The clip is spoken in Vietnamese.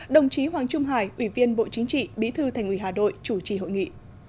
đồng chí hoàng trung hải ủy viên bộ chính trị bí thư thành ủy hà nội chủ trì hội nghị